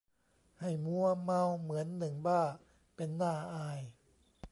ให้มัวเมา เหมือนหนึ่งบ้า เป็นน่าอาย